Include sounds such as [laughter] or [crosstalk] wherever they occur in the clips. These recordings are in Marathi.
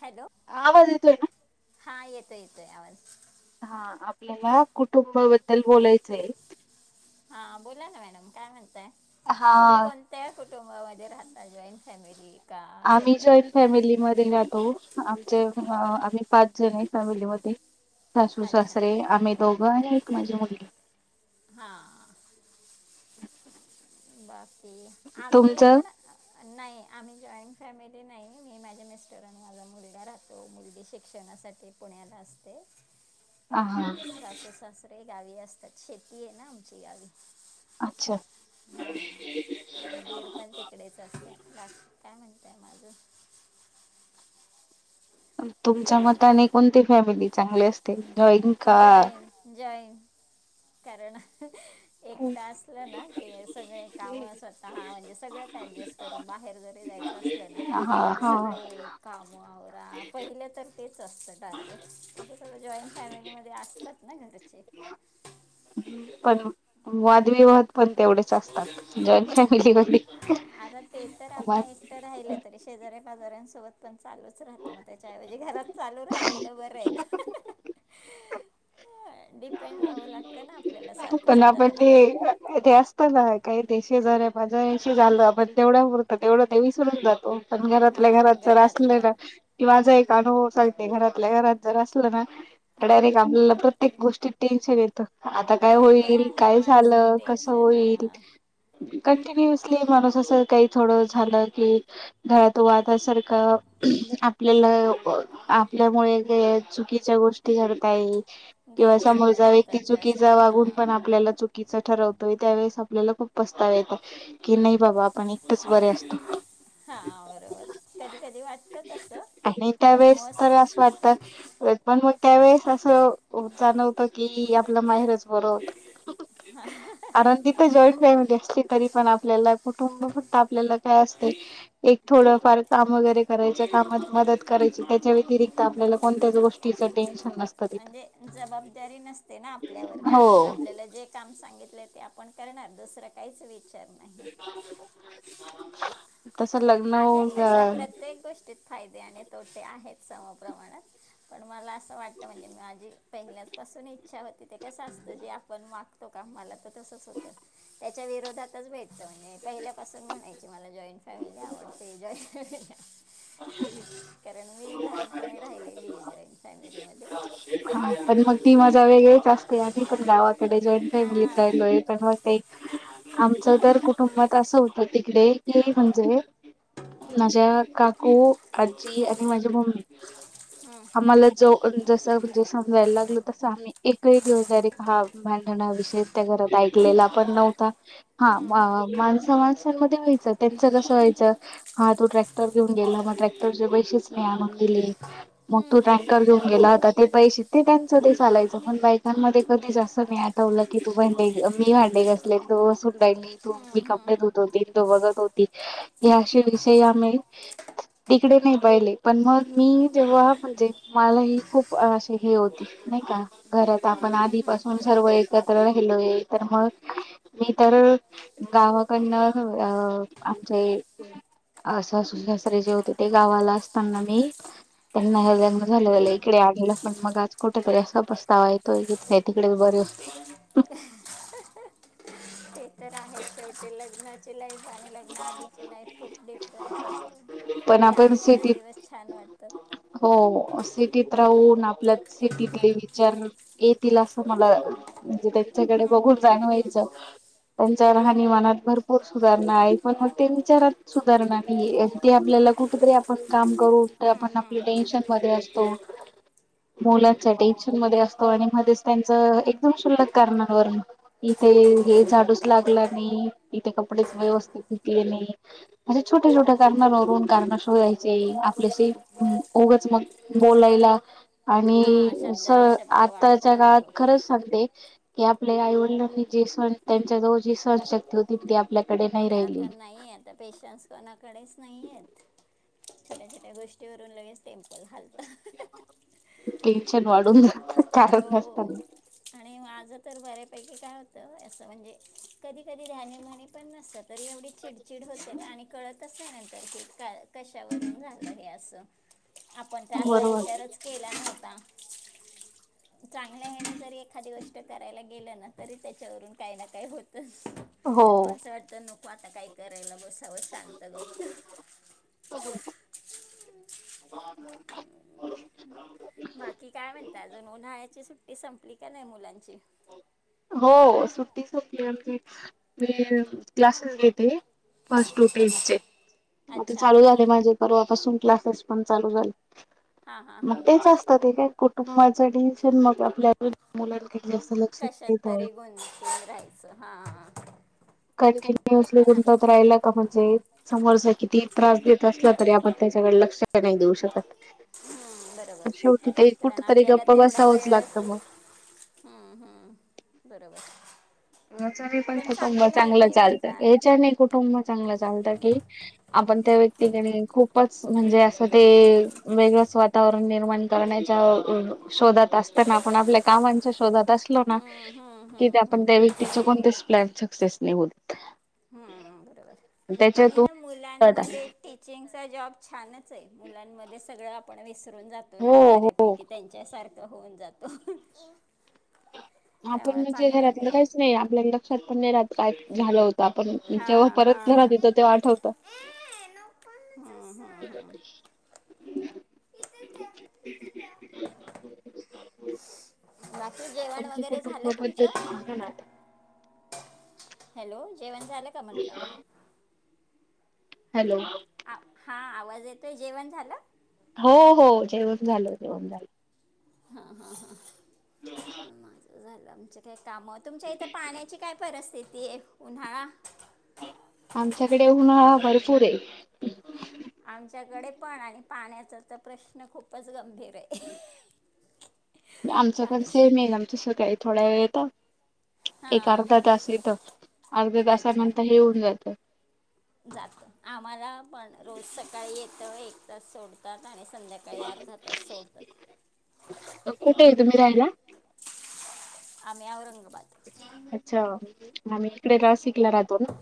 हॅलो, आवाज येतोय ना? हां, येतोय येतोय आवाज. हां, आपल्याला कुटुंबाबद्दल बोलायचंय. हां, बोला ना मॅडम काय म्हणताय? तुम्ही हा. कोणत्या कु कुटुंबामध्ये राहताय जॉईंट फॅमिली? का आम्ही जॉईंट सेपरेट फॅमिलीमधे राहतो. आमचे, आम्ही पाच जण आहे फॅमिलीमध्ये. सासू अच्छा सासरे, आम्ही दोघं आणि एक माझी मुली. हां. बाकी आम्ही तुमचं? पण नाही, आम्ही जॉईंट फॅमिली नाही. मी माझे मिस्टर आणि माझा मुलगा राहतो. मुलगी शिक्षणात साठी पुण्याला असते. हा आणि सासु सासरे गावी असतात. शेती आहे ना आमची गावी. अच्छा. हां. आं दीर पण तिकडेच असतात. हां काय म्हण त्या माझं [unintelligible] तुमच्या मताने कोणती फॅमिली चांगली असते? जॉईंट का? जाईन जाईन करण एकट असलं ना की सगळे काम स्वतः म्हणजे सगळं अडजस्ट करून बाहेर जरी जायचं असलं ना हा तरी हा, सगळे कामं पहिलं तर तेच असतं टार्गेट. [unintelligible] तु जॉईंट फॅमिली मध्ये असतात ना घरचे. पण वादविवाद पण तेवढेच असतात, जॉईंट फॅमिलीमध्ये. आता ते तर वाद आपण एकटं राहिलत. तरी शेजाऱ्या पाजाऱ्यांसोबत पण चालूच राहतो मग त्याच्या ऐवजी घरात चालू राहिलेलं बर आहे ना, [unintelligible] [unintelligible] डिपेंड राहावं लागतं ना? आपल्याला सारखं पण समजा आपण आता कुठे ते ते असत ना, काही ते शेजार माझ्याशी झालं, आपण तेवढ्या पुरत तेवढं ते विसरून जातो. पण घरातल्या घरात हां जर असलं घरातलं ना, कि माझा एक अनुभव सांगते घरातल्या घरात जर असल ना? हां डायरेक्ट आपल्याला प्रत्येक गोष्टीत टेन्शन येतं. आता काय हो ते होईल, आहे काय मानसिक झालं कस टेन्शन होईल? हा कंटिन्युअसली माणूस असं काही थोडं झालं की, घरात वादसारखं आपल्याला आपल्यामुळे चुकीच्या गोष्टी घडता येत. किंवा गैरसमज समोरचा व्यक्ती होतात जास्त चुकीचा हा वागून पण आपल्याला चुकीच ठरवतोय त्यावेळे आपल्याला खूप पस्ताव येतो, की नाही बाबा आपण एकटंच बरे असतो. हा, बरोबर कधी कधी वाटत तसं. आणि पण त्यावेेळेस तर मोस्ट असं वाटतं, पण मग त्यावेेळेस असं जाणव की आपलं माहेरच बर होतं, आनंदी तर जॉईंट फॅमिली तरी पण आपल्याला कुटुंब फक्त आपल्याला काय असत? एक थोडं फार काम वगैरे करायच, कामात मदत करायची त्याच्या व्यतिरिक्त आपल्याला कोण त्याच्या गोष्टी टेन्शन. नसतं तिथं म्हणजे जबाबदारी नसते ना, आपल्यावर हो काही तर आपल्याला जे का सांगितलं ते आपण करणार दुसरं काहीच विचार नाही [unintelligible] लग्न आहे तस होऊन प्रत्येक गोष्टीत फायदे आणि तोटे आहेत. समप्रमाणात पण मला असं वाटतं, म्हणजे मी माझी पहिल्याच पासून इच्छ होती, ते कस असत जे आपण मागतो का मला तर तसच होतं, त्याच्या विरोधातच भेटत. पहिल्यापासून म्हणायची मला जॉईंट फॅमिली आवडते, जॉईंट फॅमिली कारण मी लहानपणी राहिलेली आहे, जॉईट फॅमिलीमध्ये. हा पण मग ती वेगळेच असते, आणि पण गावाकडे जॉईंट फॅमिलीत हां राहिलोय पण मग ते आमचं तर कुटुंबात असं होतं तिकडे, कि म्हणजे माझ्या काकू आजी आणि माझी मम्मी आम्हाला जो अ चं म्हणजे समजायला लागल तस आम्ही एकही दिवस डायरेक्ट हा भांडणा विषय त्या घरात ऐकलेला ऐकला पण नव्हता हा मा- माणसा माणसांमध्ये व्हायच त्यांच कस व्हायच तो ट्रॅक्टर घेऊन गेला, मग ट्रॅक्टरचे पैसेच नाही आणून दिले मग हम्म, तो हम्म, ट्रॅक्टर घेऊन त्याच्यावरून गेला ते पैसे ते त्यांचं ते चालायचं, पण बायकांमध्ये कधी जास्त नाही आठवलं की तू भांडे मी भां डे घासलेत बसून राहिली तु, हम्म, हम्म, मी कपडे हम्म, धुत हम्म, होती आणि ती बघत होती. हेे विषय आम्ही तिकडे नाही पहिले, पण मग मी जेव्हा म्हणजे मला ही खूप असे हे होती नाही का? घरात हम्म, आपण हम्म, हम्म, आधीपासून सर्व एकत्र राहिलोय तर मग, मी तर गावाकडन अ आमचे अ सासु सासरे जे होते, ते गावाला असताना मी पण [unintelligible] झाल्या झाल्या एक तिकडे आढलं पण मग आज कुठ तरी असा पस्तावा येतोय की, नाही तिकडेच बरे होते. [inaudible] काय ती लग्नाची लाईन लग्ना आधीची लाईफ खूप डिफरन्स असतो, पण ते आपण आधीचेच सिटीत दिवस छान वाटतात. हो, सिटीत राहून आपल्या सिटीतले विचार येतील असं मला म्हणजे त्यांच्याकडे हम्म, बघून हम्म, हम्म, हम्म, जाणवायचं. त्यांच्या राहणीमानात भरपूर सुधारणा आफनग ते विचारात सुधारणा नाही अगदी आपल्याला कुठेतरी आपण काम करू हम्म, आपण आपले हम्म, हम्म, टेन्शन मध्ये असतो. हम्म, नवर्याच हम्म. टेंशन मध्ये असतो आणि मध्येच त्यांच एकदम शुल्लक कारण वरण इथे हे झाडूच लागला नाही, इथे कपडेच व्यवस्थित धुतले नाही असे छोट्या-छोट्या कारणा नावरून कारण शोधायचे आपल्याशी उगच मग बोलायला आणि हा कस शब्दाने शब्द वाढत आताच्या राहतो काळात खरच सांगते. की आपल्या आई-वडिलांनी जे स्वण त्यांच्या जवळ जी सहनशक्ती होती ती आपल्या त्या आता नाही आता पेशन्स कोणाकडेच. नाहीयेत छोट्या-छोट्या गोष्टींवरून लगेच टेम्पल छान वाढुन हो आणि माझ तर बऱ्यापैकी काय होतं असं म्हणजे कधी-कधी ध्यानीमनी पण नसत तर एवढी चिडचिड होते आणि कळतच नाही नंतर की काय कशावरून झालं हे असं. आपण त्या असा बरोबर विचारच केला नव्हता. चांगल्या हेण जरी एखादी गोष्ट करायला गेलं ना तरी त्याच्यावरून काही ना काही होत. [inaudible] हो म असं वाटत नको आता काय करायला बसावं शांत, गप्प. [unintelligible] बाकी काय म्हणता अजून उन्हाळ्याची सुट्टी संपली का नाही मुलांची? हो सुट्टीती आमची मी क्लासेस घेते. फस् टू टेन अ- चे मग ते अच्छा चालू झाले माझे परवापासून क्लासेस पण चालू झाले. हां हां मग हां हां तेच असत ते काय कुटुंबाच डिसिशन मग आपल्या मुलां कशात तरी गुती राहायचं हा [unintelligible] कंटिन्युअसली पण आहे गुणतात राहिला का म्हणजे समोर किती त्रास देत असला तरी आपण त्याच्याकडे लक्ष नाही देऊ शकत हम्म, बरोबर शेवटी ते कुठ कारण तरी आपल्याला गप्पा तेवढा बसावच लागत वेळच मग हम्म, हम्म, बरोबर च पण कुटुंब आहे चांगलं ते बरं चालतं का याचणी कुटुंब चांगलं चालतं की आपण त्या व्यक्तीकडे खूपच म्हणजे असं ते वेगळच वातावरण निर्माण करण्याच्या शोधात असताना आपण आपल्या कामांच्या शोधत अस ना हम्म, हम्म, कि हम्म, हम्म, आपण त्या व्यक्तीचे कोणतेच प्लॅन सक्सेस नाही होत बरोबर आणि ना त्याच्यातून मुलांमध्ये टीचिंगचा जॉब छान मु सग आप विसरून जातो ना हो हो बऱ्यापैकी त्यांच्याार होऊन जातो आपण त्यामुळे म्हणजे चांगलं आहे घरातलं हे. काहीच नाही आपल्या लक्षात पण नाही काय झालं होत आपण जेव्हा हां परत घरा हां तथ तेव्हा आठवत ए नको [unintelligible] बाकी जेवण तुमची वगैरे कुटुंब झालं पद्धती तुमचं सांगा ना आता हॅलो जेवण झालं का म्हणलं हॅलो हा आवाज येतोय जेवण झालं हो हो जेवण झालो जेवण झाल हा हा हा झालं आम काय काम तुमच्या इथं पाण्याची काय परिस्थिती आहे उन्हाळा आमच्याकडे उन्हाळा भरपूर आहे आमच्याकडे पण आणि पाण्याचा तर प्रश्न खूपच गंभीर आहे आमचं पण पाणी सेम येईल आमचं स काळी थोडा वेळ येत एक हां अर्धा तास येतं अर्ध्या तासानंतर हेऊन जातं जात आम्हाला पण रोज सकाळी येत एक सोडतात आणि संध्याकाळी अर्धातच सोडतात कुठे आहे तुम्ही राहायला आम्यावररंग अच्छा आ इिकडे रसिकला राहतो ना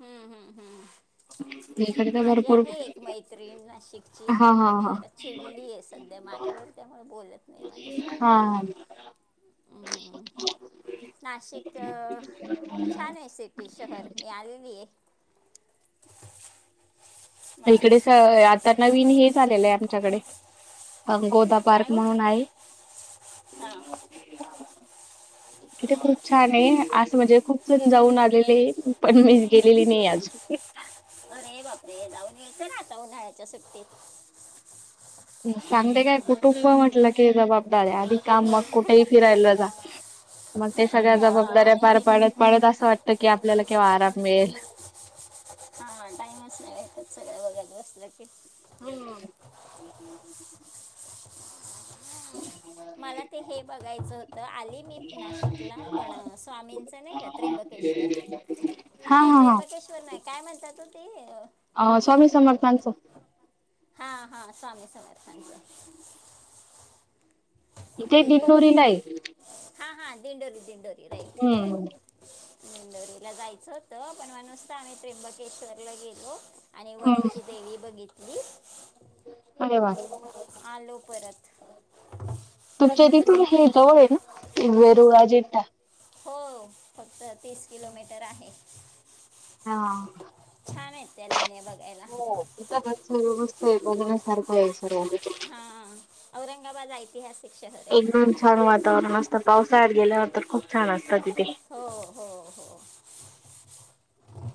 हम्म हम्म हम्म [unintelligible] माझी भरपूर आहे एक मैत्र्रीण नाशिकची हा हा ती हा जरा चिडली आहे सध्या माझ्यावर त्या बोलत नाही माझ्याशी हां हम्म. ह नाशिक छान आहे सिटी शहर मी आलेली [unintelligible] मा- इकडेच आता नवीन हे झालेलं आहे आमच्याकडे अ गोदा काय पार्क हो म्हणून आहे हां तिथे खूप छान आहे असं म्हणजे खूप जण जाऊन आलेले आहे पण मी गेलेली नाही आज ते अरे बापरे जाऊन यायचं ना आता उन्हाळ्याच्या सुट्टीत सांगते काय कुटुंब म्हटलं की जबाबदार्या आधी का मग कुठेही फिरायला जा मग ते सगळ्या हां जबाबदाऱ्या आणि पार ते पाडत पाडत असं वाटतं कि आपल्याला केव्हा आराम मिळेल हा टाईमच नाही‌ भेटत सगळं बघत बसलं की हम्म ह मला ते हे बघायचं होतं. आली मी नाशिकला, पण स्वामींचं नाही का, त्र्यंबके श्वर. [unintelligible] हा नाही, हा त्र्यंबकेश्वर नाही, काय म्हणतात ओ ते? अ हा स्वामी समर्थांचं. [unintelligible] हा, हा, स्वामी समर्थांचं. इथे तिथं दिंडोरीलाय. [unintelligible] हा हा दिंडोरी -दिंडोरी. दिंड हम्म [unintelligible] दिंडोरीला जायचं होतं. पण म्हणूनच तर आम्ही, त्र्यंबकेश्वरला गेलो. आणि हम्म वणीची देवी बघित अरे वा आणि [unintelligible] आलो परत. तुमच्या तिथून हे जवळ आहे ना, वेरुळ -अजिंठा. हो, फक्त तीस किलोमीटर आहे. हां छान आहेत त्या [unintelligible] लेण्या बघायला हो इथं गच्च व्यवस्थायत. बघण्या सारखंय. हा, औरंगाबाद ऐतिहास एकदम छान वातावरण असतं. पावसाळ्यात गेल्यावर तर, खूप छान असतं तिथे. हो, हो, हो.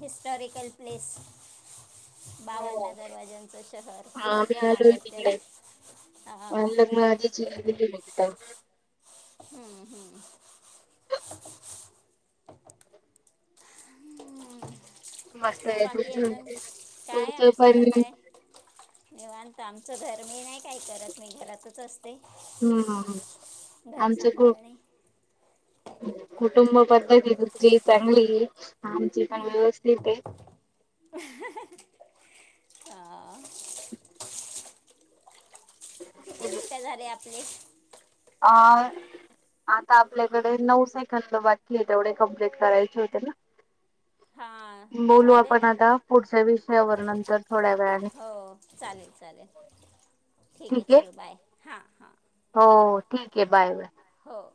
Historical place. हो. बावन्न दरवाज्यांचं शहर, भरपूर नावयत त्याला. हां आणि लग्नाआधीची [unintelligible] तिथं. हम्म, हम्म. [unintelligible] हम्म [unintelligible] मस्तय तुमच. काय तुमचे आमचं पण तर काय निवांत. आमचं घर मी नाही काय करत. मी घरातच असते. हम्म घर आमचं कु सांभाळणे. कुटुंब पद् ध्ती तुमची चांगलीये. आमची पण व्यवस्थितये. हा. किती मिनिटं झाले आपले? अ [unintelligible] आता आपल्याकडे नऊ सेकंद बाकीय. तेवढे कम्प्लीट करायचे होते ना? [unintelligible] हां बोलू झाले आपण ना आता पुढच्या विषयावर, नंतर थोड्या वेळाने. ठीकय, ठीक आहे. चलो बाय. हा, हा. हो, ठीकय बाय - बाय. हो